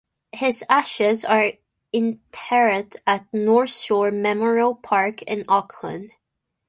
His ashes are interred at North Shore Memorial Park in Auckland.